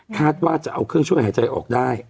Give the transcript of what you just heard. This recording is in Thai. คาดว่าจะเอาเครื่องช่วยหายใจออกได้